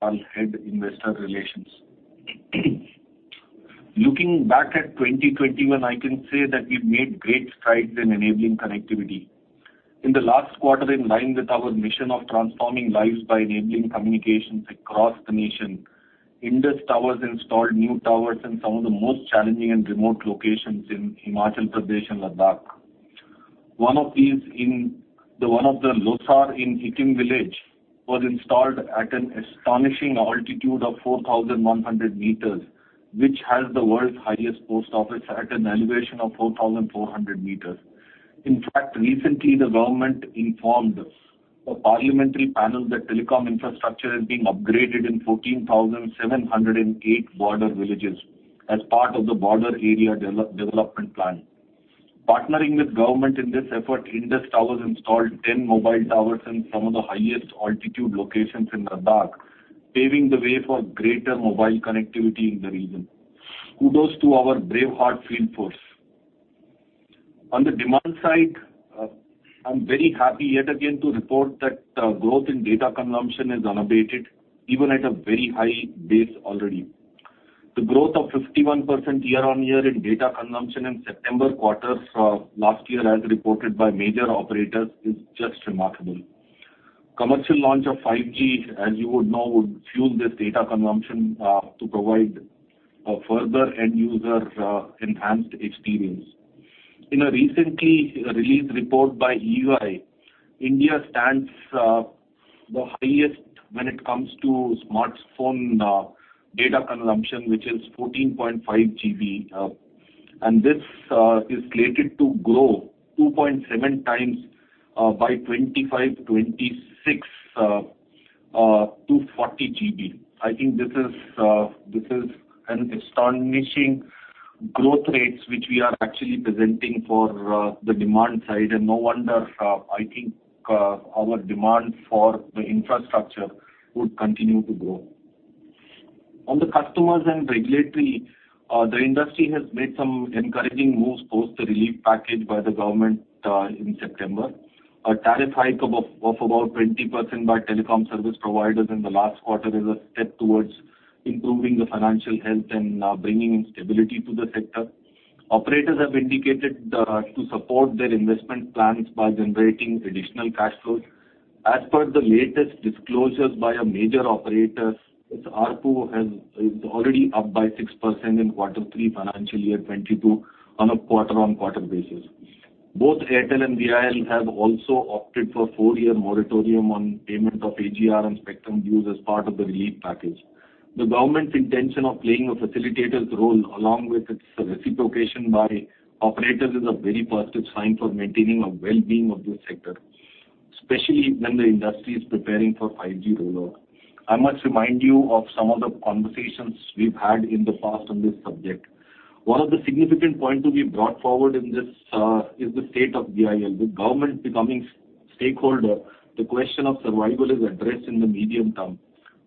Head Investor Relations. Looking back at 2021, I can say that we've made great strides in enabling connectivity. In the last quarter, in line with our mission of transforming lives by enabling communications across the nation, Indus Towers installed new towers in some of the most challenging and remote locations in Himachal Pradesh and Ladakh. One of these. The one in Losar in Hikkim Village was installed at an astonishing altitude of 4,100 meters, which has the world's highest post office at an elevation of 4,400 meters. In fact, recently, the government informed a parliamentary panel that telecom infrastructure is being upgraded in 14,708 border villages as part of the Border Area Development Programme. Partnering with government in this effort, Indus Towers installed 10 mobile towers in some of the highest altitude locations in Ladakh, paving the way for greater mobile connectivity in the region. Kudos to our brave heart field force. On the demand side, I'm very happy yet again to report that, growth in data consumption is unabated, even at a very high base already. The growth of 51% year-on-year in data consumption in September quarter from last year, as reported by major operators, is just remarkable. Commercial launch of 5G, as you would know, would fuel this data consumption, to provide, further end user, enhanced experience. In a recently released report by EY, India stands the highest when it comes to smartphone data consumption, which is 14.5 GB, and this is slated to grow 2.7 times by 2025-2026 to 40 GB. I think this is an astonishing growth rates, which we are actually presenting for the demand side. No wonder, I think, our demand for the infrastructure would continue to grow. On the customers and regulatory, the industry has made some encouraging moves post the relief package by the government in September. A tariff hike about 20% by telecom service providers in the last quarter is a step towards improving the financial health and bringing in stability to the sector. Operators have indicated to support their investment plans by generating additional cash flows. As per the latest disclosures by a major operator, its ARPU is already up by 6% in quarter three financial year 2022 on a quarter-on-quarter basis. Both Airtel and VIL have also opted for a four-year moratorium on payment of AGR and spectrum dues as part of the relief package. The government's intention of playing a facilitator's role, along with its reciprocation by operators, is a very positive sign for maintaining a well-being of this sector, especially when the industry is preparing for 5G rollout. I must remind you of some of the conversations we've had in the past on this subject. One of the significant point to be brought forward in this is the state of VIL. With government becoming stakeholder, the question of survival is addressed in the medium term.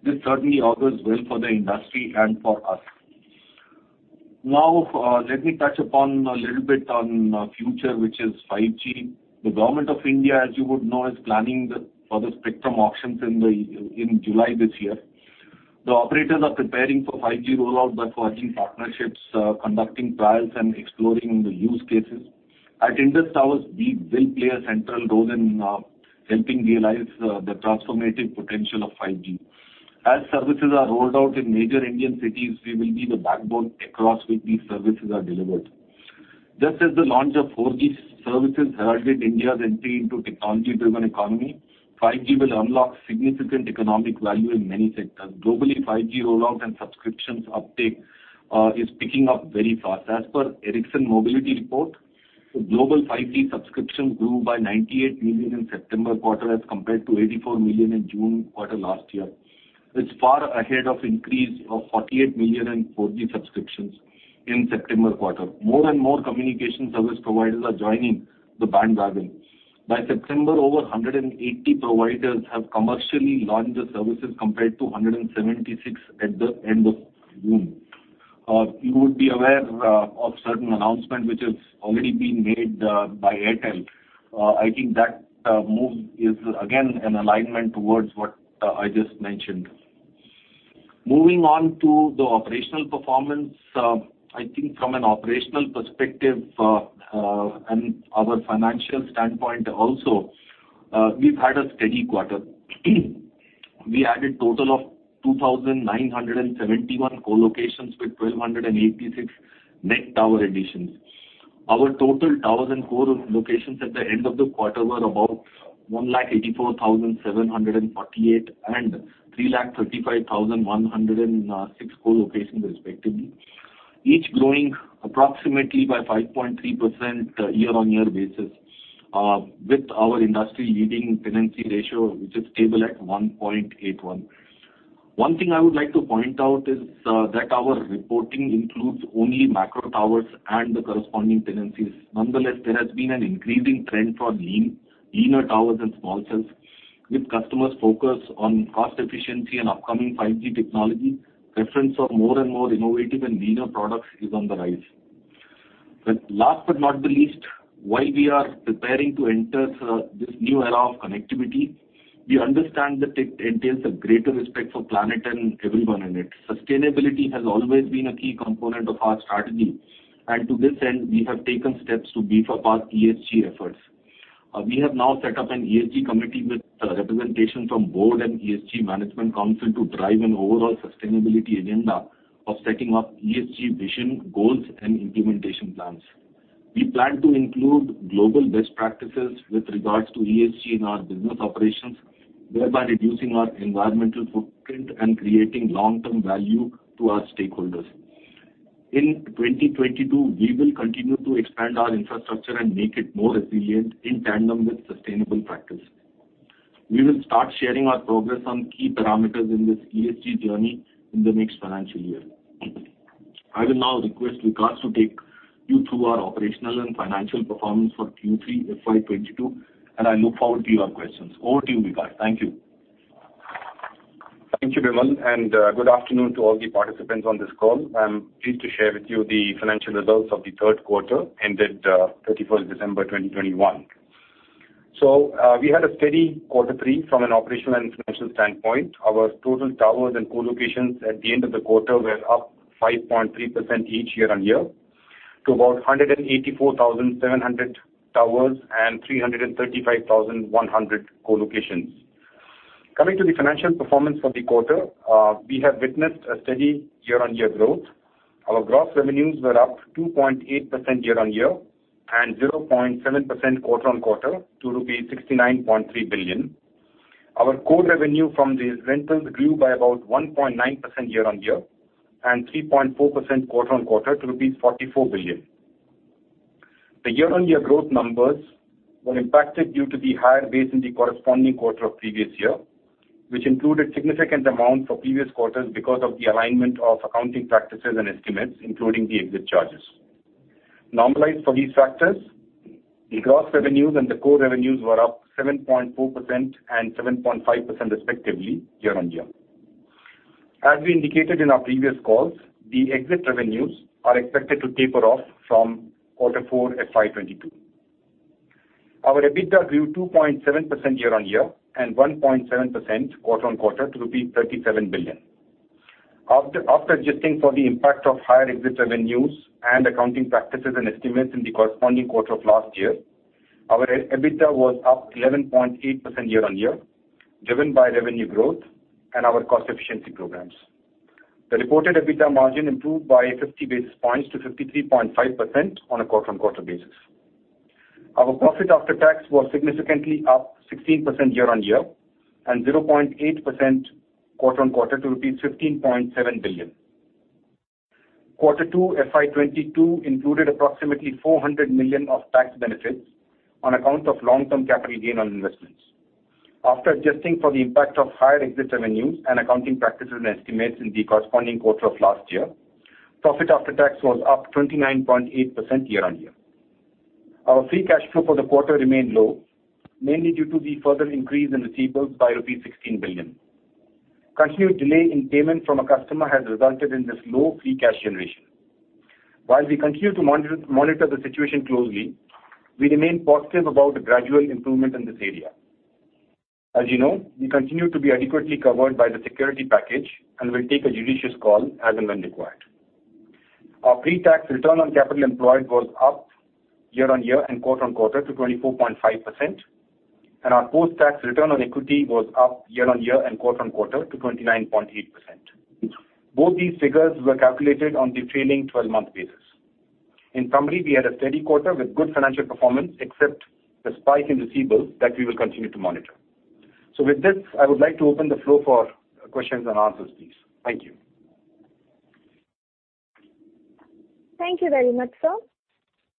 This certainly augurs well for the industry and for us. Now, let me touch upon a little bit on future, which is 5G. The government of India, as you would know, is planning for the spectrum auctions in July this year. The operators are preparing for 5G rollout by forging partnerships, conducting trials, and exploring the use cases. At Indus Towers, we will play a central role in helping realize the transformative potential of 5G. As services are rolled out in major Indian cities, we will be the backbone across which these services are delivered. Just as the launch of 4G services heralded India's entry into a technology-driven economy, 5G will unlock significant economic value in many sectors. Globally, 5G rollout and subscriptions uptake is picking up very fast. As per Ericsson Mobility Report, the global 5G subscriptions grew by 98 million in September quarter as compared to 84 million in June quarter last year. It's far ahead of increase of 48 million in 4G subscriptions in September quarter. More and more communication service providers are joining the bandwagon. By September, over 180 providers have commercially launched the services compared to 176 at the end of June. You would be aware of certain announcement which has already been made by Airtel. I think that move is again an alignment towards what I just mentioned. Moving on to the operational performance, I think from an operational perspective and our financial standpoint also, we've had a steady quarter. We added total of 2,971 co-locations with 1,286 net tower additions. Our total towers and co-locations at the end of the quarter were about 184,748, and 335,106 co-locations respectively. Each growing approximately by 5.3% year-over-year, with our industry-leading tenancy ratio, which is stable at 1.81. One thing I would like to point out is that our reporting includes only macro towers and the corresponding tenancies. Nonetheless, there has been an increasing trend for leaner towers and small cells. With customers focused on cost efficiency and upcoming 5G technology, preference for more and more innovative and leaner products is on the rise. Last but not the least, while we are preparing to enter this new era of connectivity, we understand that it is a greater respect for planet and everyone in it. Sustainability has always been a key component of our strategy. To this end, we have taken steps to beef up our ESG efforts. We have now set up an ESG committee with representation from board and ESG management council to drive an overall sustainability agenda of setting up ESG vision, goals, and implementation plans. We plan to include global best practices with regards to ESG in our business operations, thereby reducing our environmental footprint and creating long-term value to our stakeholders. In 2022, we will continue to expand our infrastructure and make it more resilient in tandem with sustainable practice. We will start sharing our progress on key parameters in this ESG journey in the next financial year. I will now request Vikas to take you through our operational and financial performance for Q3 FY 2022, and I look forward to your questions. Over to you, Vikas. Thank you. Thank you, Bimal, and good afternoon to all the participants on this call. I am pleased to share with you the financial results of the third quarter ended 31st December 2021. We had a steady quarter 3 from an operational and financial standpoint. Our total towers and co-locations at the end of the quarter were up 5.3% each year-on-year to about 184,700 towers and 335,100 co-locations. Coming to the financial performance for the quarter, we have witnessed a steady year-on-year growth. Our gross revenues were up 2.8% year-on-year and 0.7% quarter-on-quarter to rupees 69.3 billion. Our core revenue from these rentals grew by about 1.9% year-on-year and 3.4% quarter-on-quarter to rupees 44 billion. The year-on-year growth numbers were impacted due to the higher base in the corresponding quarter of previous year, which included significant amount for previous quarters because of the alignment of accounting practices and estimates, including the exit charges. Normalized for these factors, the gross revenues and the core revenues were up 7.4% and 7.5% respectively year-on-year. As we indicated in our previous calls, the exit revenues are expected to taper off from quarter four FY 2022. Our EBITDA grew 2.7% year-on-year and 1.7% quarter-on-quarter to rupees 37 billion. After adjusting for the impact of higher exit revenues and accounting practices and estimates in the corresponding quarter of last year, our EBITDA was up 11.8% year-on-year, driven by revenue growth and our cost efficiency programs. The reported EBITDA margin improved by 50 basis points to 53.5% on a quarter-on-quarter basis. Our profit after tax was significantly up 16% year-on-year and 0.8% quarter-on-quarter to rupees 15.7 billion. Q2 FY 2022 included approximately 400 million of tax benefits on account of long-term capital gain on investments. After adjusting for the impact of higher exit revenues and accounting practices and estimates in the corresponding quarter of last year, profit after tax was up 29.8% year-on-year. Our free cash flow for the quarter remained low, mainly due to the further increase in receivables by rupees 16 billion. Continued delay in payment from a customer has resulted in this low free cash generation. While we continue to monitor the situation closely, we remain positive about the gradual improvement in this area. As you know, we continue to be adequately covered by the security package and will take a judicious call as and when required. Our pre-tax return on capital employed was up year-on-year and quarter-on-quarter to 24.5%, and our post-tax return on equity was up year-on-year and quarter-on-quarter to 29.8%. Both these figures were calculated on the trailing 12-month basis. In summary, we had a steady quarter with good financial performance, except the spike in receivables that we will continue to monitor. With this, I would like to open the floor for questions and answers, please. Thank you. Thank you very much, sir.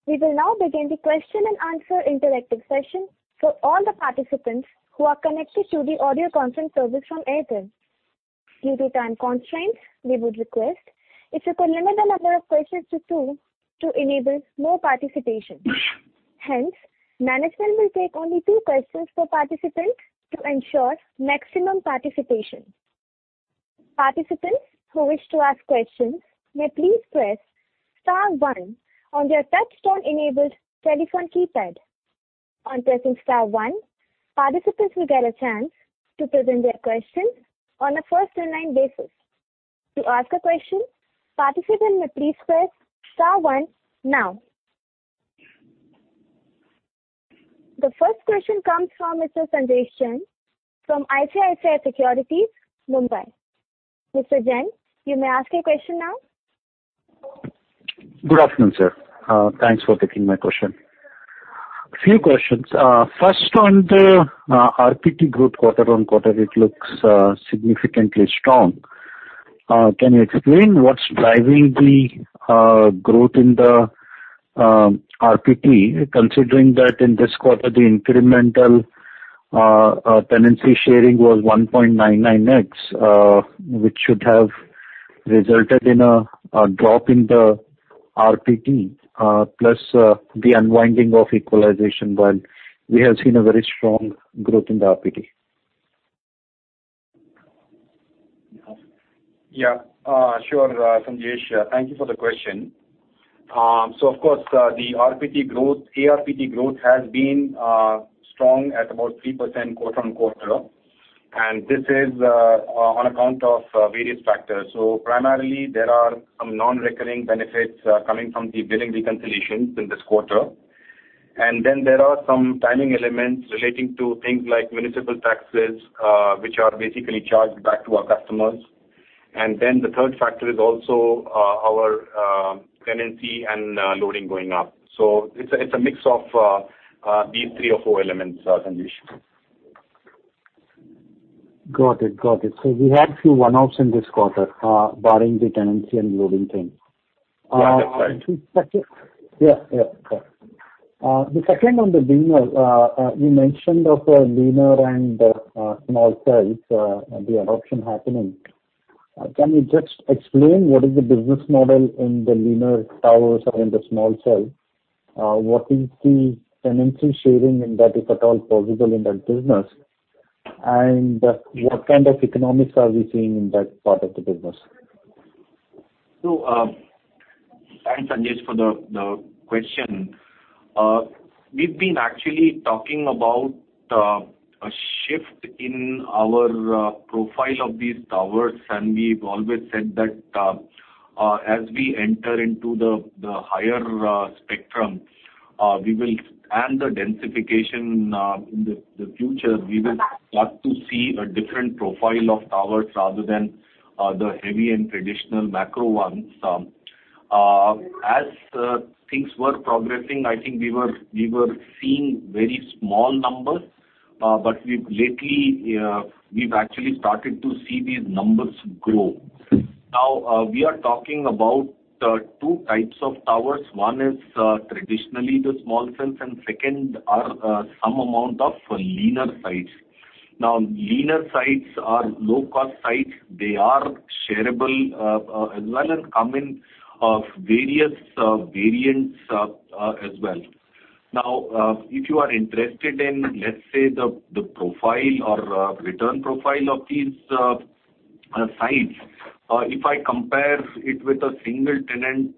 We will now begin the question and answer interactive session for all the participants who are connected to the audio conference service from Airtel. Due to time constraints, we would request if you could limit the number of questions to two to enable more participation. Hence, management will take only two questions per participant to ensure maximum participation. Participants who wish to ask questions may please press star one on their touchtone-enabled telephone keypad. On pressing star one, participants will get a chance to present their questions on a first-in-line basis. To ask a question, participants may please press star one now. The first question comes from Mr. Sanjesh Jain from ICICI Securities, Mumbai. Mr. Jain, you may ask your question now. Good afternoon, sir. Thanks for taking my question. Few questions. First on the RPT growth quarter-on-quarter, it looks significantly strong. Can you explain what's driving the growth in the RPT, considering that in this quarter the incremental tenancy sharing was 1.99x, which should have resulted in a drop in the RPT, plus the unwinding of equalization, while we have seen a very strong growth in the RPT? Yeah, sure, Sanjesh. Thank you for the question. Of course, the RPT growth, ARPT growth has been strong at about 3% quarter-on-quarter, and this is on account of various factors. Primarily there are some non-recurring benefits coming from the billing reconciliations in this quarter. Then there are some timing elements relating to things like municipal taxes, which are basically charged back to our customers. The third factor is also our tenancy and loading going up. It's a mix of these three or four elements, Sanjesh. Got it. We had a few one-offs in this quarter, barring the tenancy and loading thing. Yeah, that's right. The second on the leaner. You mentioned leaner and small cells, and the adoption happening. Can you just explain what is the business model in the leaner towers or in the small cell? What is the tenancy sharing, and is that at all possible in that business? What kind of economics are we seeing in that part of the business? Thanks, Sanjesh, for the question. We've been actually talking about a shift in our profile of these towers, and we've always said that as we enter into the higher spectrum and the densification in the future, we will start to see a different profile of towers rather than the heavy and traditional macro ones. As things were progressing, I think we were seeing very small numbers, but we've lately actually started to see these numbers grow. Now we are talking about two types of towers. One is traditionally the small cells, and second are some amount of leaner sites. Now, leaner sites are low-cost sites. They are shareable, as well and come in various variants, as well. Now, if you are interested in, let's say, the profile or return profile of these sites, if I compare it with a single tenant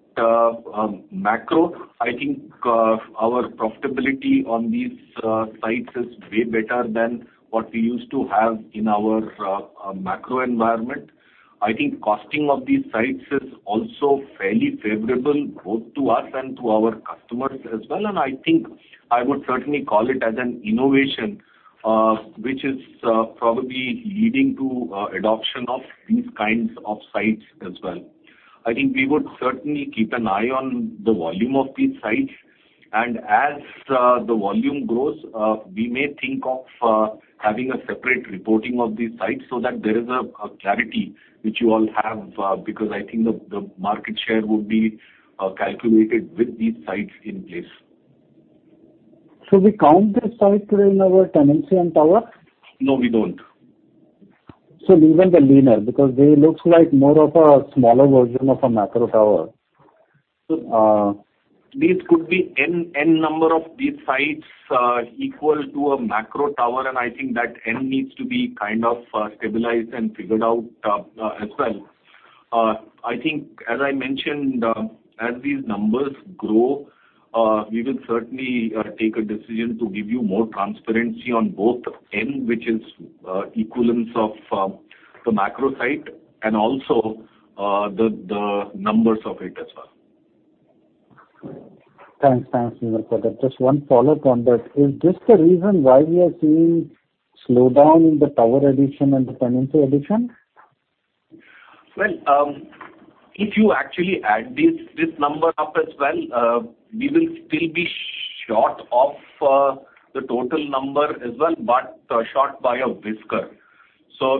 macro, I think our profitability on these sites is way better than what we used to have in our macro environment. I think costing of these sites is also fairly favorable, both to us and to our customers as well, and I think I would certainly call it as an innovation, which is probably leading to adoption of these kinds of sites as well. I think we would certainly keep an eye on the volume of these sites. As the volume grows, we may think of having a separate reporting of these sites, so that there is a clarity which you all have, because I think the market share would be calculated with these sites in place. We count the sites within our tenancy and tower? No, we don't. Even the leaner, because they look like more of a smaller version of a macro tower. These could be N number of these sites equal to a macro tower, and I think that N needs to be kind of stabilized and figured out as well. I think as I mentioned, as these numbers grow, we will certainly take a decision to give you more transparency on both N, which is equivalence of the macro site, and also the numbers of it as well. Thanks, Bimal for that. Just one follow-up on that. Is this the reason why we are seeing slowdown in the tower addition and the tenancy addition? Well, if you actually add this number up as well, we will still be short of the total number as well, but short by a whisker.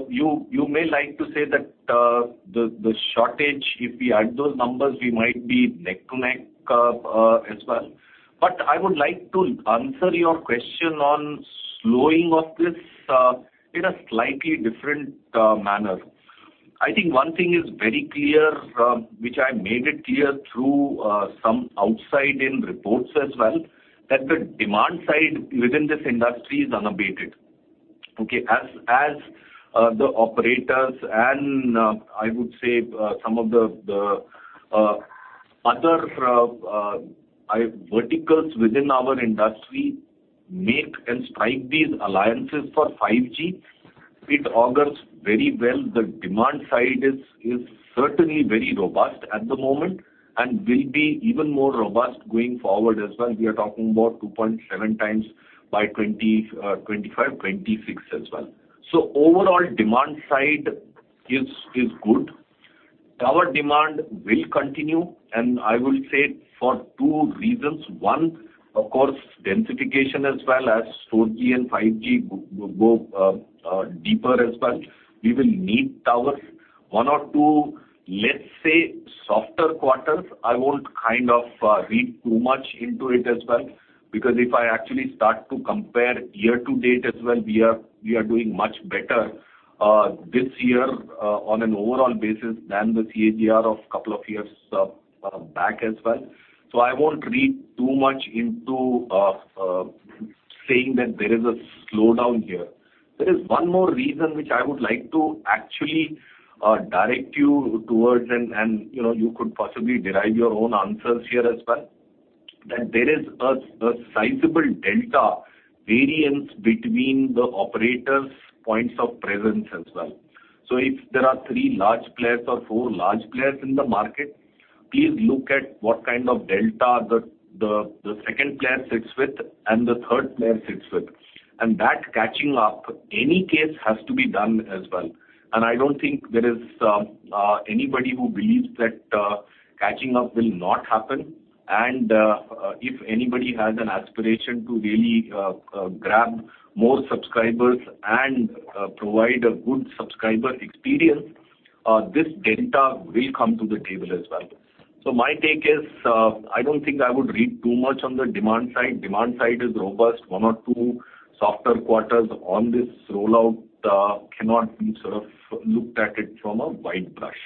You may like to say that the shortage, if we add those numbers, we might be neck and neck as well. I would like to answer your question on slowing of this in a slightly different manner. I think one thing is very clear, which I made it clear through some outside-in reports as well, that the demand side within this industry is unabated, okay? As the operators and I would say some of the other verticals within our industry make and strike these alliances for 5G, it augurs very well. The demand side is certainly very robust at the moment and will be even more robust going forward as well. We are talking about 2.7 times by 2025, 2026 as well. Overall demand side is good. Tower demand will continue, and I will say for two reasons. One, of course, densification, as well as 4G and 5G go deeper as well. We will need towers. One or two, let's say, softer quarters, I won't kind of read too much into it as well. Because if I actually start to compare year-to-date as well, we are doing much better this year on an overall basis than the CAGR of a couple of years back as well. I won't read too much into saying that there is a slowdown here. There is one more reason which I would like to actually direct you towards and, you know, you could possibly derive your own answers here as well. That there is a sizable delta variance between the operators' points of presence as well. If there are three large players or four large players in the market, please look at what kind of delta the second player sits with and the third player sits with. That catching up, any case, has to be done as well. I don't think there is anybody who believes that catching up will not happen. If anybody has an aspiration to really grab more subscribers and provide a good subscriber experience, this delta will come to the table as well. My take is, I don't think I would read too much on the demand side. Demand side is robust. One or two softer quarters on this rollout cannot be sort of looked at it from a wide brush.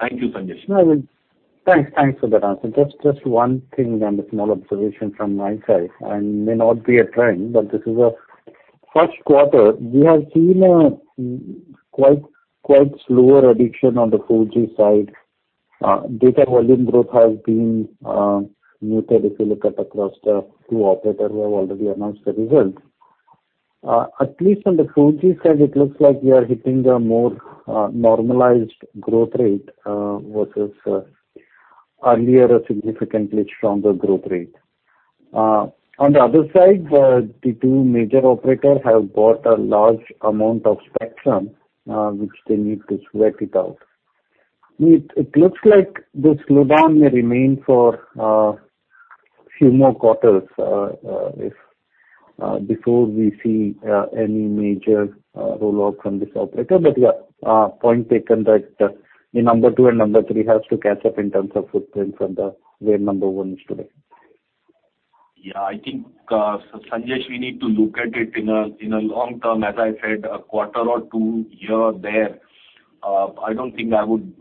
Thank you, Sanjesh. No, thanks. Thanks for that answer. Just one thing and a small observation from my side, and may not be a trend, but this is first quarter we have seen a quite slower addition on the 4G side. Data volume growth has been muted if you look across the two operators who have already announced the results. At least on the 4G side, it looks like we are hitting a more normalized growth rate versus earlier a significantly stronger growth rate. On the other side, the two major operators have bought a large amount of spectrum, which they need to sweat it out. It looks like the slowdown may remain for few more quarters before we see any major rollout from this operator. Yeah, point taken that the number two and number three has to catch up in terms of footprint from where number one is today. Yeah. I think, Sanjesh, we need to look at it in a long term, as I said, a quarter or two here or there. I don't think I would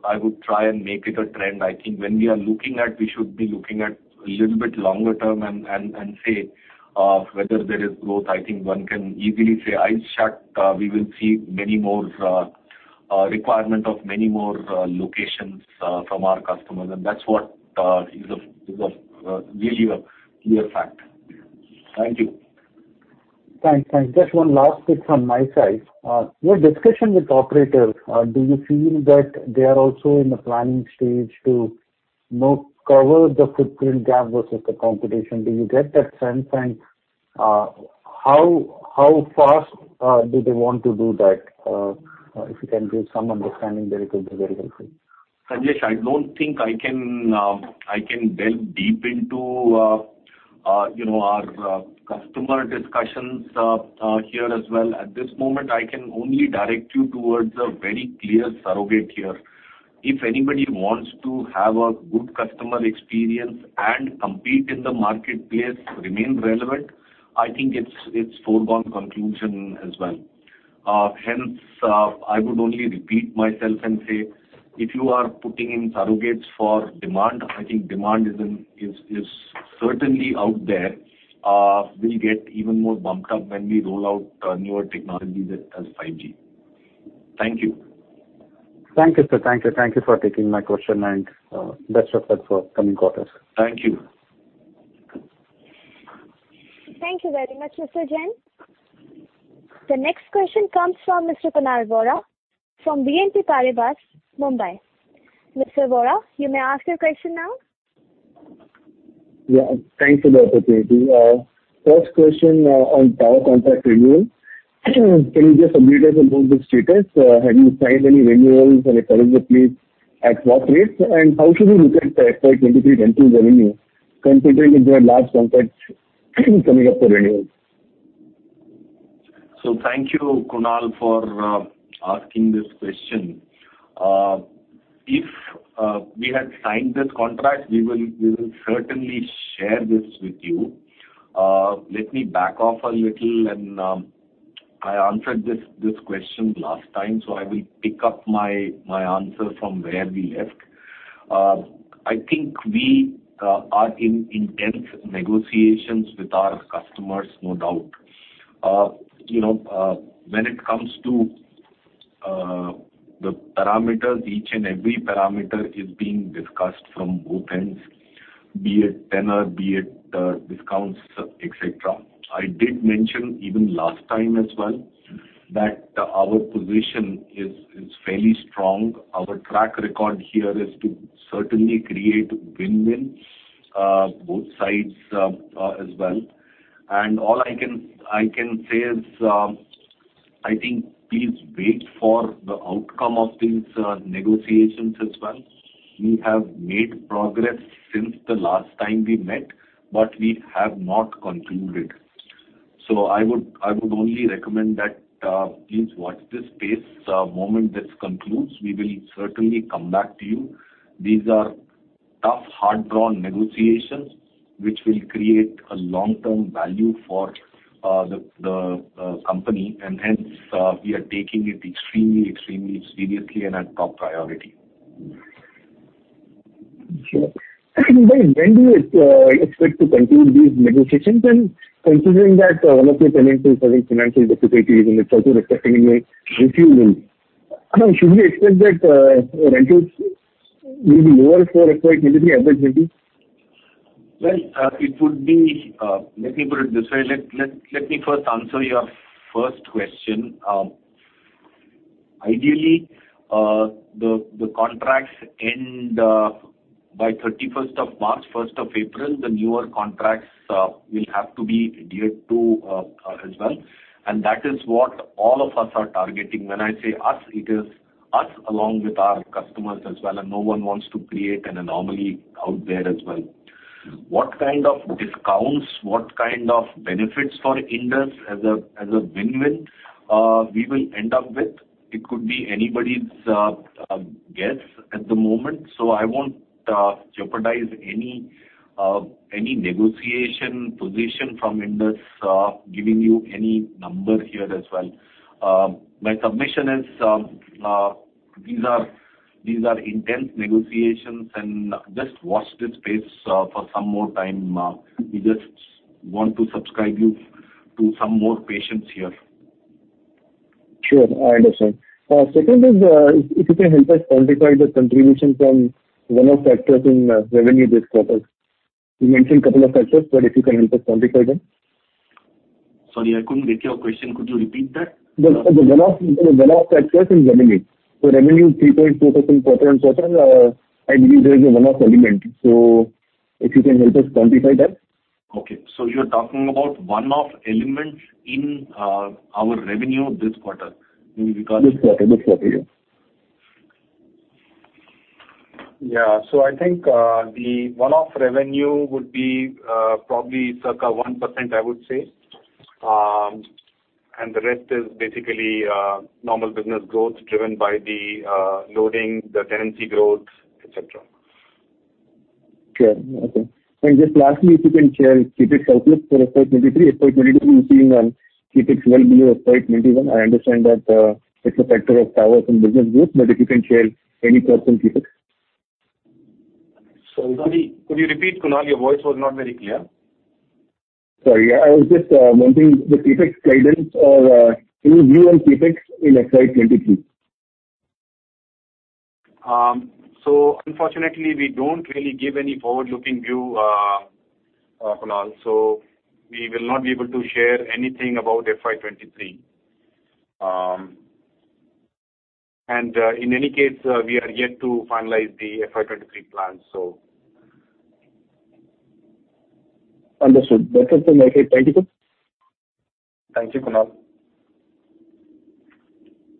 try and make it a trend. I think we should be looking at a little bit longer term and say whether there is growth. I think one can easily say we'll see many more requirements of many more locations from our customers. And that's what is really a clear fact. Thank you. Thanks. Just one last bit from my side. Your discussion with operators, do you feel that they are also in the planning stage to more cover the footprint gap versus the competition? Do you get that sense? How fast do they want to do that? If you can give some understanding, that it will be very helpful. Sanjesh, I don't think I can delve deep into, you know, our customer discussions here as well. At this moment, I can only direct you towards a very clear surrogate here. If anybody wants to have a good customer experience and compete in the marketplace to remain relevant, I think it's foregone conclusion as well. Hence, I would only repeat myself and say, if you are putting in surrogates for demand, I think demand is certainly out there. It will get even more bumped up when we roll out newer technologies such as 5G. Thank you. Thank you, sir. Thank you for taking my question. Best of luck for coming quarters. Thank you. Thank you very much, Mr. Jain. The next question comes from Mr. Kunal Vora from BNP Paribas, Mumbai. Mr. Vora, you may ask your question now. Yeah. Thanks for the opportunity. First question on tower contract renewal. Can you just update us on those, the status? Have you signed any renewals? And if so, please, at what rates? How should we look at the FY 2023 revenue considering there are large contracts coming up for renewal? Thank you, Kunal, for asking this question. If we had signed this contract, we will certainly share this with you. Let me back off a little. I answered this question last time, so I will pick up my answer from where we left. I think we are in intense negotiations with our customers, no doubt. You know, when it comes to the parameters, each and every parameter is being discussed from both ends, be it tenor, be it discounts, et cetera. I did mention even last time as well that our position is fairly strong. Our track record here is to certainly create win-win both sides as well. All I can say is, I think please wait for the outcome of these negotiations as well. We have made progress since the last time we met, but we have not concluded. I would only recommend that please watch this space. The moment this concludes, we will certainly come back to you. These are tough, hard-fought negotiations, which will create a long-term value for the company. Hence, we are taking it extremely seriously and at top priority. Sure. By when do you expect to conclude these negotiations, and considering that one of your tenants is having financial difficulties and it's also affecting your revenue? Should we expect that rentals will be lower for FY 2023 as a result? Well, let me put it this way. Let me first answer your first question. Ideally, the contracts end by 31st of March, 1st of April. The newer contracts will have to be adhered to as well. That is what all of us are targeting. When I say us, it is us along with our customers as well, and no one wants to create an anomaly out there as well. What kind of discounts, what kind of benefits for Indus as a win-win we will end up with, it could be anybody's guess at the moment. I won't jeopardize any negotiation position from Indus, giving you any number here as well. My submission is these are intense negotiations and just watch this space for some more time. We just want to subscribe you to some more patience here. Sure. I understand. Second is, if you can help us quantify the contribution from one-off factors in revenue this quarter? You mentioned a couple of factors, but if you can help us quantify them? Sorry, I couldn't get your question. Could you repeat that? The one-off, you know, one-off factors in revenue. Revenue is 3.2% quarter-on-quarter. I believe there is a one-off element. If you can help us quantify that. Okay. You're talking about one-off element in our revenue this quarter. Do you recall it? This quarter, yeah. Yeah. I think the one-off revenue would be probably circa 1%, I would say. The rest is basically normal business growth driven by the loading, the tenancy growth, et cetera. Sure. Okay. Just lastly, if you can share CapEx surplus for FY 2023. FY 2022, we've seen a CapEx well below FY 2021. I understand that, it's a factor of towers and business groups, but if you can share any surplus CapEx. Sorry. Could you repeat, Kunal? Your voice was not very clear. Sorry. I was just wanting the CapEx guidance or any view on CapEx in FY 2023. Unfortunately, we don't really give any forward-looking view, Kunal. We will not be able to share anything about FY 2023. In any case, we are yet to finalize the FY 2023 plan. Understood. That's it from my side. Thank you, sir. Thank you, Kunal.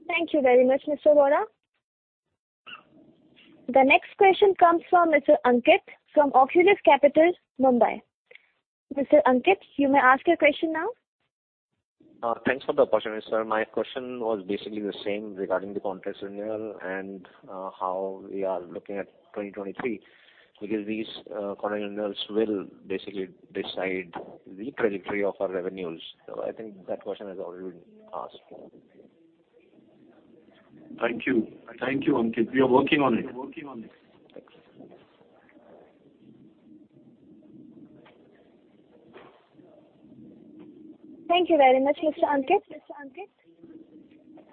Thank you very much, Mr. Vora. The next question comes from Mr. Ankit from Oculus Capital, Mumbai. Mr. Ankit, you may ask your question now. Thanks for the opportunity. My question was basically the same regarding the contract renewal and how we are looking at 2023, because these contract renewals will basically decide the trajectory of our revenues. I think that question has already been asked. Thank you. Thank you, Ankit. We are working on it. Thanks. Thank you very much, Mr. Ankit.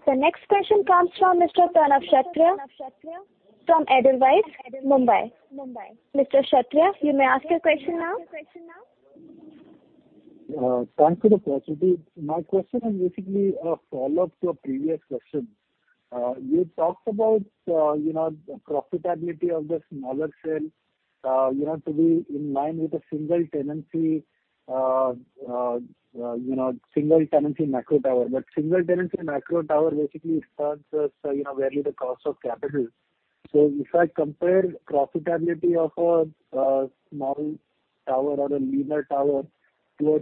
The next question comes from Mr. Pranav Kshatriya from Edelweiss, Mumbai. Mr. Kshatriya, you may ask your question now. Thanks for the opportunity. My question is basically a follow-up to a previous question. You talked about, you know, profitability of the smaller cell, you know, to be in line with a single tenancy, you know, single tenancy macro tower. Single tenancy macro tower basically starts as, you know, barely the cost of capital. If I compare profitability of a small tower or a leaner tower to a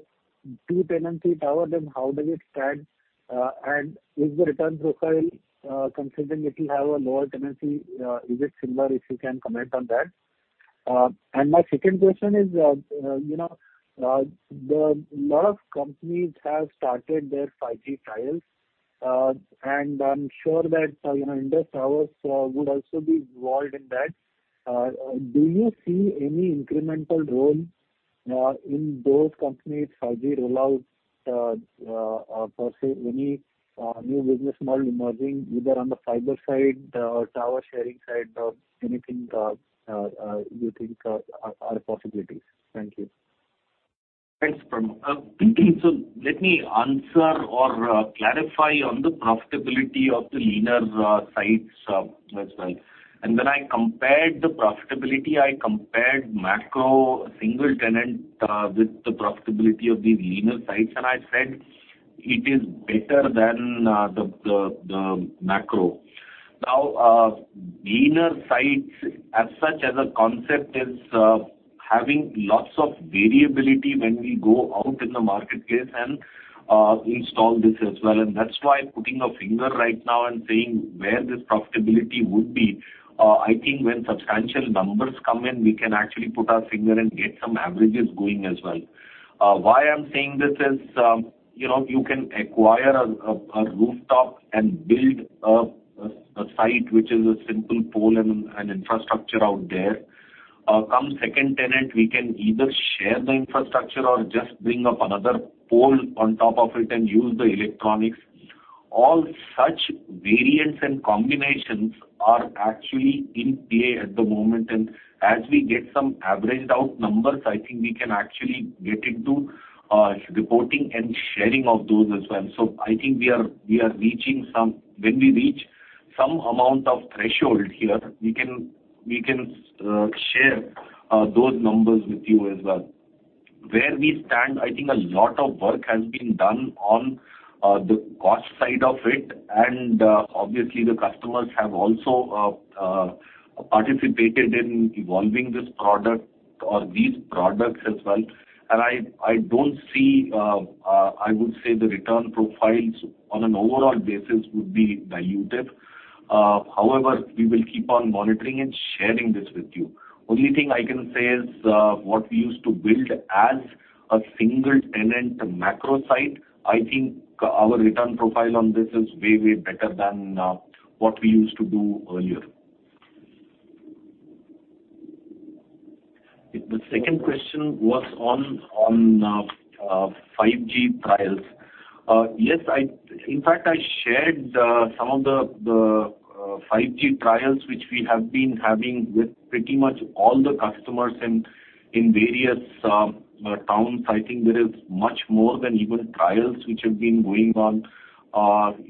two-tenancy tower, then how does it stand? Is the return profile, considering it will have a lower tenancy, is it similar, if you can comment on that? My second question is, you know, a lot of companies have started their 5G trials, and I'm sure that, you know, Indus Towers would also be involved in that. Do you see any incremental role in those companies' 5G rollout per se any new business model emerging either on the fiber side, tower sharing side or anything you think are possibilities? Thank you. Thanks, Pranav. Let me answer or clarify on the profitability of the leaner sites as well. When I compared the profitability, I compared macro single tenant with the profitability of these leaner sites, and I said it is better than the macro. Leaner sites as such as a concept is having lots of variability when we go out in the marketplace and install this as well. That's why putting a finger right now and saying where this profitability would be. I think when substantial numbers come in, we can actually put our finger and get some averages going as well. Why I'm saying this is, you know, you can acquire a rooftop and build a site which is a simple pole and infrastructure out there. Or come second tenant, we can either share the infrastructure or just bring up another pole on top of it and use the electronics. All such variants and combinations are actually in PA at the moment. As we get some averaged out numbers, I think we can actually get into reporting and sharing of those as well. I think we are reaching some threshold here. When we reach some amount of threshold here, we can share those numbers with you as well. Where we stand, I think a lot of work has been done on the cost side of it, and obviously the customers have also participated in evolving this product or these products as well. I don't see, I would say, the return profiles on an overall basis would be diluted. However, we will keep on monitoring and sharing this with you. Only thing I can say is what we used to build as a single tenant macro site, I think our return profile on this is way better than what we used to do earlier. The second question was on 5G trials. Yes. In fact, I shared some of the 5G trials which we have been having with pretty much all the customers in various towns. I think there is much more than even trials which have been going on,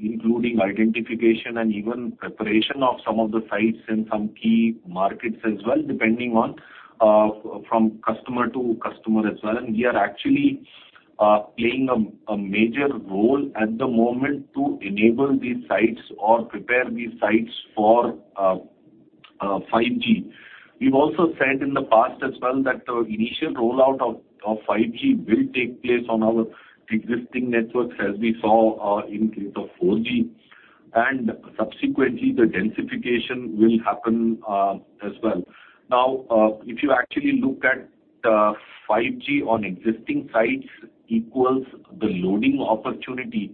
including identification and even preparation of some of the sites in some key markets as well, depending on from customer to customer as well. We are actually playing a major role at the moment to enable these sites or prepare these sites for 5G. We've also said in the past as well that the initial rollout of 5G will take place on our existing networks, as we saw in case of 4G. Subsequently, the densification will happen, as well. Now, if you actually look at 5G on existing sites equals the loading opportunity,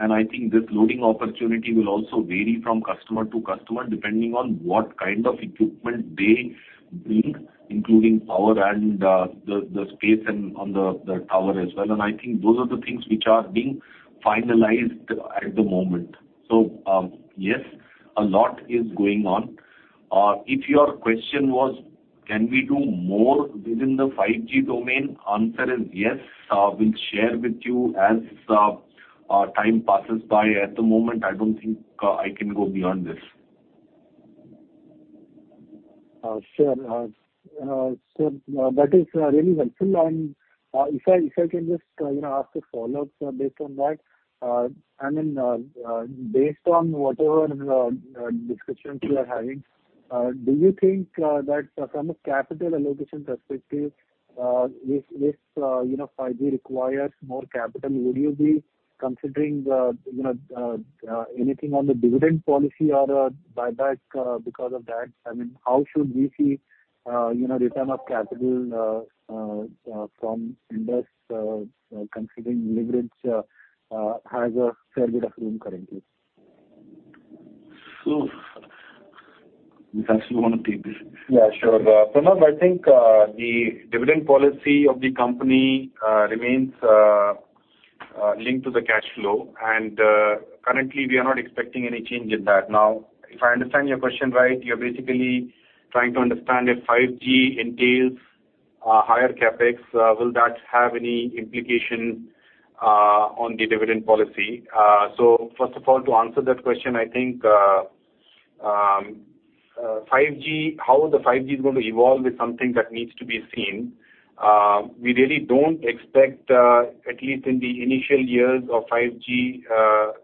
and I think this loading opportunity will also vary from customer to customer, depending on what kind of equipment they bring, including power and the space and on the tower as well. I think those are the things which are being finalized at the moment. Yes, a lot is going on. If your question was, can we do more within the 5G domain? Answer is yes. We'll share with you as time passes by. At the moment, I don't think I can go beyond this. Sure. That is really helpful. If I can just, you know, ask a follow-up based on that. I mean, based on whatever discussions you are having, do you think that from a capital allocation perspective, if, you know, 5G requires more capital, would you be considering, you know, anything on the dividend policy or a buyback because of that? I mean, how should we see, you know, return of capital from Indus, considering leverage has a fair bit of room currently? Vikas, you wanna take this? Yeah, sure. Pranav, I think the dividend policy of the company remains linked to the cash flow. Currently, we are not expecting any change in that. Now, if I understand your question right, you're basically trying to understand if 5G entails higher CapEx, will that have any implication on the dividend policy? First of all, to answer that question, I think 5G, how 5G is going to evolve, is something that needs to be seen. We really don't expect, at least in the initial years of 5G,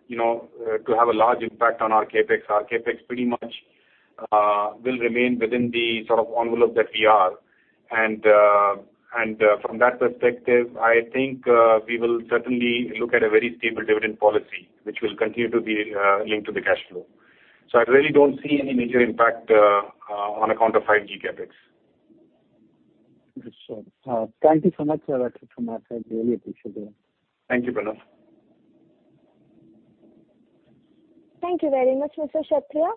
you know, to have a large impact on our CapEx. Our CapEx pretty much will remain within the sort of envelope that we are. From that perspective, I think we will certainly look at a very stable dividend policy, which will continue to be linked to the cash flow. I really don't see any major impact on account of 5G CapEx. Sure. Thank you so much, sir. That's it from my side. Really appreciate it. Thank you, Pranav. Thank you very much, Mr. Kshatriya.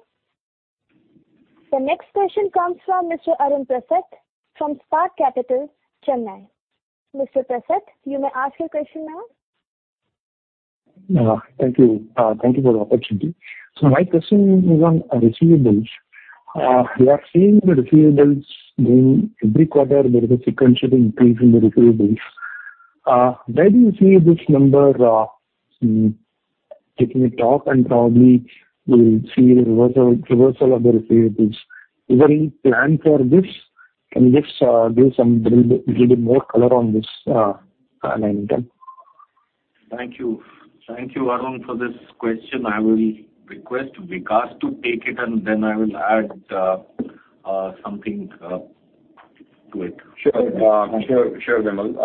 The next question comes from Mr. Arun Prasath from Spark Capital, Chennai. Mr. Prasath, you may ask your question now. Yeah. Thank you. Thank you for the opportunity. My question is on receivables. We are seeing the receivables growing every quarter. There is a sequential increase in the receivables. Where do you see this number taking a toll, and probably we'll see reversal of the receivables? Is there any plan for this? Can you just give some little more color on this line item? Thank you. Thank you, Arun, for this question. I will request Vikas to take it, and then I will add something to it. Sure, Bimal.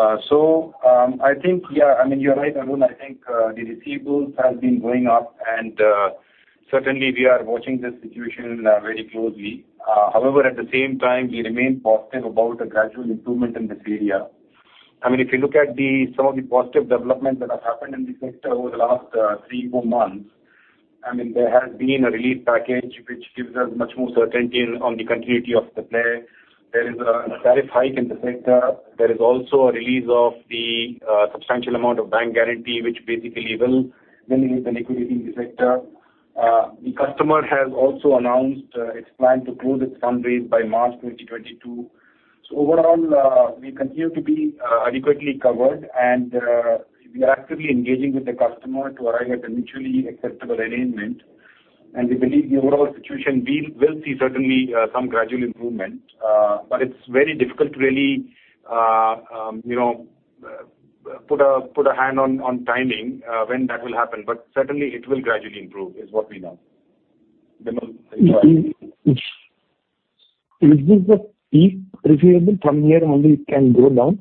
I think, yeah, I mean, you're right, Arun. I think the receivables has been going up, and certainly we are watching this situation very closely. However, at the same time, we remain positive about the gradual improvement in this area. I mean, if you look at some of the positive developments that have happened in this sector over the last three, four months. I mean, there has been a relief package which gives us much more certainty on the continuity of the play. There is a tariff hike in the sector. There is also a release of the substantial amount of bank guarantee which basically will alleviate the liquidity in the sector. The customer has also announced its plan to close its fundraise by March 2022. Overall, we continue to be adequately covered, and we are actively engaging with the customer to arrive at a mutually acceptable arrangement. We believe the overall situation, we will see certainly some gradual improvement. It's very difficult to really, you know, put a hand on timing when that will happen. Certainly it will gradually improve, is what we know. Is this the peak receivable? From here only it can go down.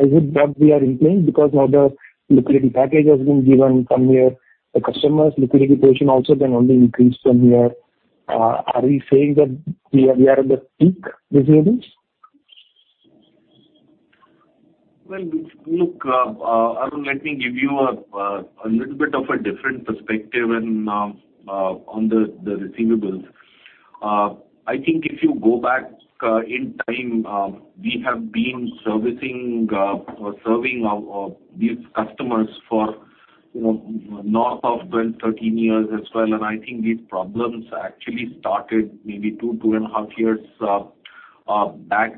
Is it that we are seeing because now the liquidity package has been given from here, the customer's liquidity position also can only increase from here. Are we saying that we are at the peak receivables? Well, look, Arun, let me give you a little bit of a different perspective and on the receivables. I think if you go back in time, we have been servicing or serving our, these customers for, you know, north of 12-13 years as well. I think these problems actually started maybe two and half years back.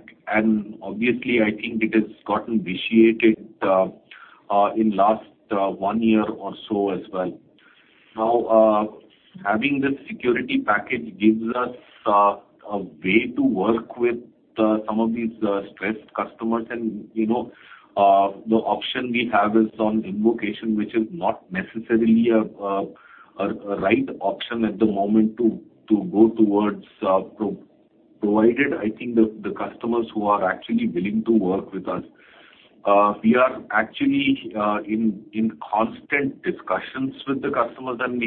Obviously, I think it has gotten vitiated in last one year or so as well. Now, having this security package gives us a way to work with some of these stressed customers. You know, the option we have is on invocation, which is not necessarily a right option at the moment to go towards provided, I think the customers who are actually willing to work with us. We are actually in constant discussions with the customers, and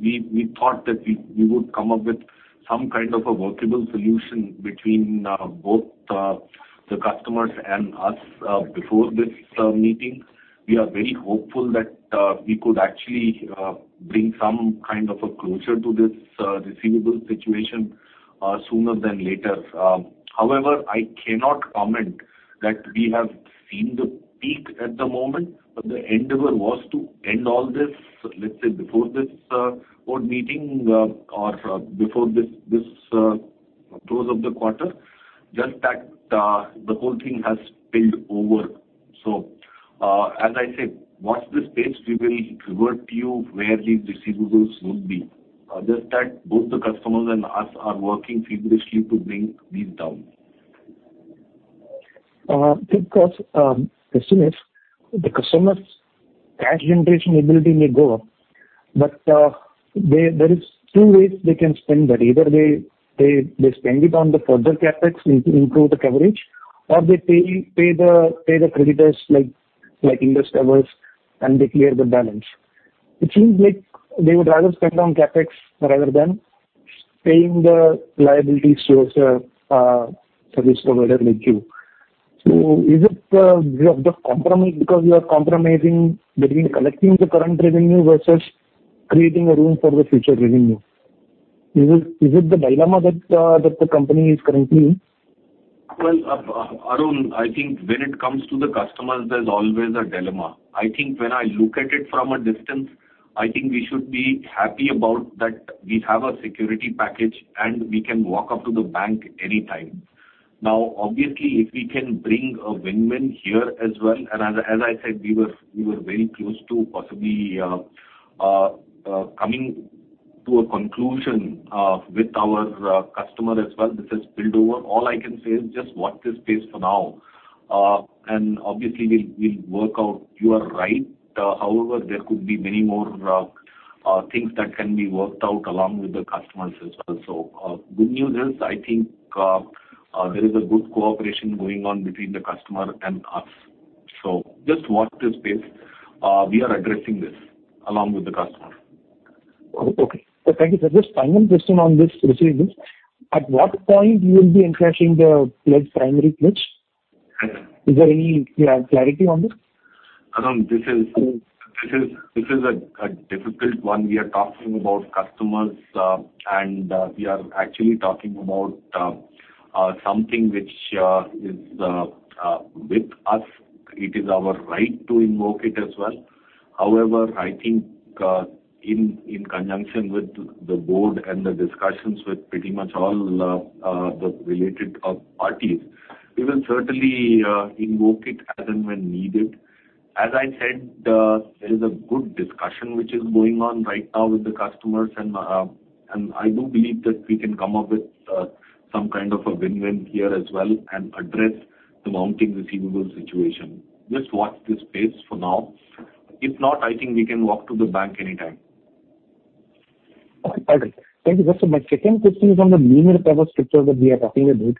we thought that we would come up with some kind of a workable solution between both the customers and us before this meeting. We are very hopeful that we could actually bring some kind of a closure to this receivables situation sooner than later. However, I cannot comment that we have seen the peak at the moment, but the endeavor was to end all this, let's say, before this board meeting, or before this close of the quarter. Just that, the whole thing has spilled over. As I said, watch this space. We will revert to you where these receivables would be. Just that both the customers and us are working feverishly to bring these down. Because as soon as the customer's cash generation ability may go up, but there is two ways they can spend that. Either they spend it on the further CapEx to improve the coverage, or they pay the creditors like Indus Towers, and they clear the balance. It seems like they would rather spend on CapEx rather than paying the liabilities to a service provider like you. Is it you have to compromise because you are compromising between collecting the current revenue versus creating a room for the future revenue? Is it the dilemma that the company is currently in? Well, Arun, I think when it comes to the customers, there's always a dilemma. I think when I look at it from a distance, I think we should be happy about that we have a security package, and we can walk up to the bank anytime. Now, obviously, if we can bring a win-win here as well, and as I said, we were very close to possibly coming to a conclusion with our customer as well. This has spilled over. All I can say is just watch this space for now. Obviously we'll work out. You are right. However, there could be many more things that can be worked out along with the customers as well. Good news is, I think, there is a good cooperation going on between the customer and us. Just watch this space. We are addressing this along with the customer. Okay. Thank you, sir. Just final question on this receivables. At what point you will be encashing the pledged primary pledge? Yeah. Is there any clarity on this? Arun, this is a difficult one. We are talking about customers, and we are actually talking about something which is with us. It is our right to invoke it as well. However, I think in conjunction with the board and the discussions with pretty much all the related parties, we will certainly invoke it as and when needed. As I said, there is a good discussion which is going on right now with the customers, and I do believe that we can come up with some kind of a win-win here as well and address the mounting receivables situation. Just watch this space for now. If not, I think we can walk to the bank anytime. All right. Thank you. Just my second question is on the mini tower structure that we are talking about.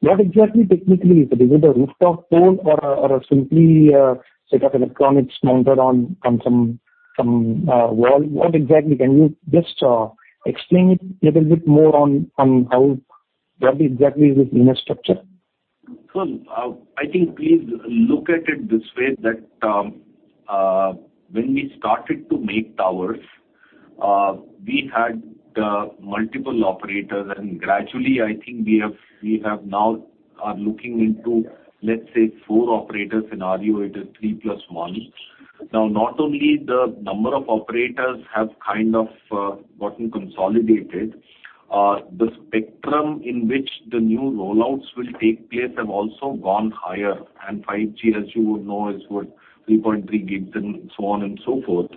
What exactly technically is it? Is it a rooftop pole or simply a set of electronics mounted on some wall? What exactly can you just explain it little bit more on how what exactly is this mini structure? Well, I think please look at it this way that when we started to make towers, we had multiple operators. Gradually, I think we are now looking into, let's say, four operators scenario. It is three plus one. Now, not only the number of operators have kind of gotten consolidated, the spectrum in which the new rollouts will take place have also gone higher. 5G, as you would know, is worth 3.3 GHz and so on and so forth.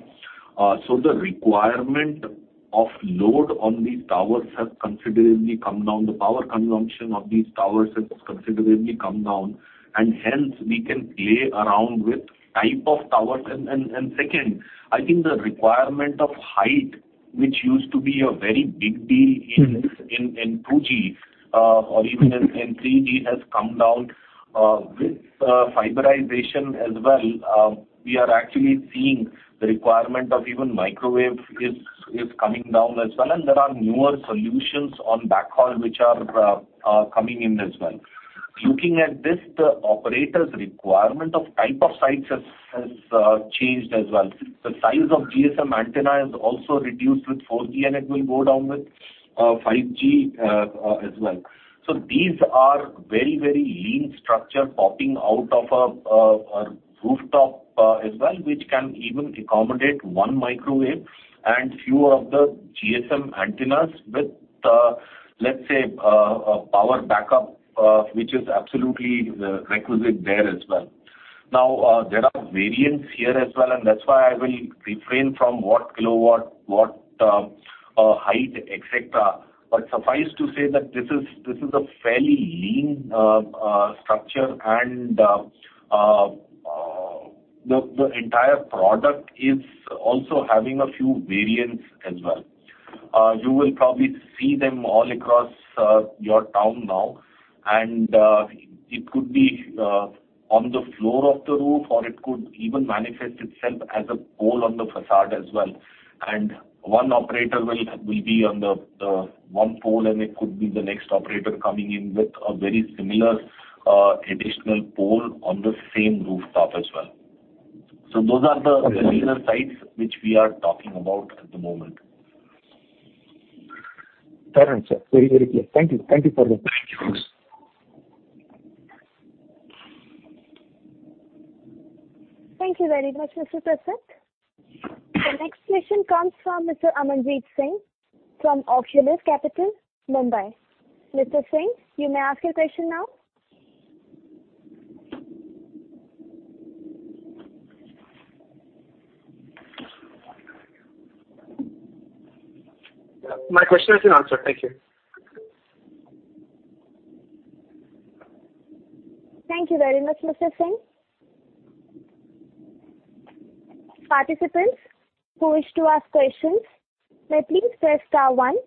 The requirement of load on these towers has considerably come down. The power consumption of these towers has considerably come down. Hence we can play around with type of towers. Second, I think the requirement of height, which used to be a very big deal in 2G or even in 3G, has come down with fiberization as well. We are actually seeing the requirement of even microwave is coming down as well. There are newer solutions on backhaul which are coming in as well. Looking at this, the operators requirement of type of sites has changed as well. The size of GSM antenna is also reduced with 4G, and it will go down with 5G as well. These are very, very lean structure popping out of a rooftop as well, which can even accommodate one microwave and few of the GSM antennas with, let's say, a power backup, which is absolutely requisite there as well. Now, there are variants here as well, and that's why I will refrain from what kilowatt, what height, et cetera. Suffice to say that this is a fairly lean structure and the entire product is also having a few variants as well. You will probably see them all across your town now. It could be on the floor of the roof, or it could even manifest itself as a pole on the facade as well. One operator will be on the one pole, and it could be the next operator coming in with a very similar additional pole on the same rooftop as well. Those are the Okay. the leaner sites which we are talking about at the moment. Fair enough, sir. Very, very clear. Thank you. Thank you for that. Thank you. Thank you very much, Mr. Prasath. The next question comes from Mr. Amarjit Singh from Oculus Capital, Mumbai. Mr. Singh, you may ask your question now. My question has been answered. Thank you. Thank you very much, Mr. Singh. Participants who wish to ask questions may please press star one.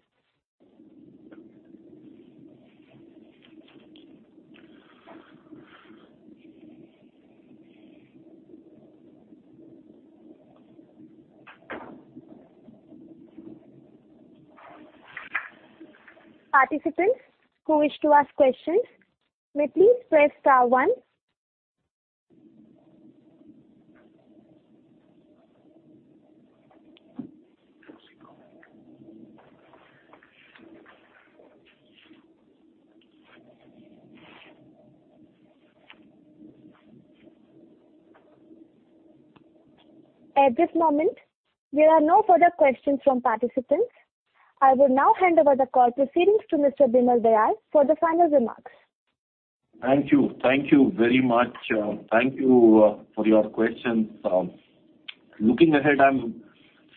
At this moment, there are no further questions from participants. I will now hand over the call proceedings to Mr. Bimal Dayal for the final remarks. Thank you. Thank you very much. Thank you for your questions. Looking ahead, I'm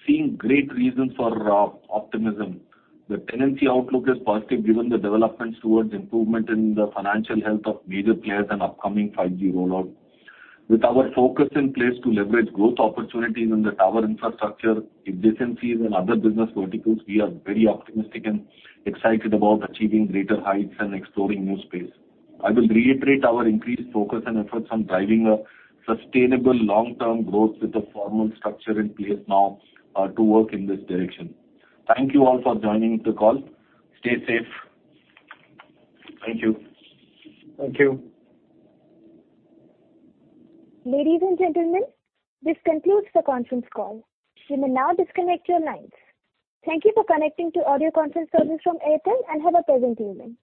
seeing great reason for optimism. The tenancy outlook is positive given the developments towards improvement in the financial health of major players and upcoming 5G rollout. With our focus in place to leverage growth opportunities in the tower infrastructure efficiencies and other business verticals, we are very optimistic and excited about achieving greater heights and exploring new space. I will reiterate our increased focus and efforts on driving a sustainable long-term growth with a formal structure in place now to work in this direction. Thank you all for joining the call. Stay safe. Thank you. Thank you. Ladies and gentlemen, this concludes the conference call. You may now disconnect your lines. Thank you for connecting to audio conference service from Airtel, and have a pleasant evening.